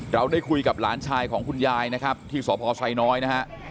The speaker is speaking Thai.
เราได้คุยกับหลานชายของคุณยายนะครับที่สพไซน้อยนะฮะ